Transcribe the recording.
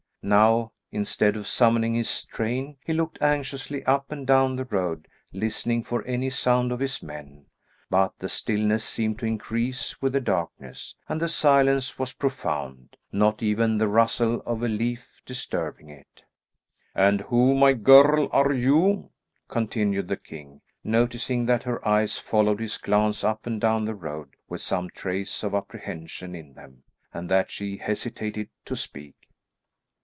Now, instead of summoning his train, he looked anxiously up and down the road listening for any sound of his men, but the stillness seemed to increase with the darkness, and the silence was profound, not even the rustle of a leaf disturbing it. "And who, my girl, are you?" continued the king, noticing that her eyes followed his glance up and down the road with some trace of apprehension in them, and that she hesitated to speak.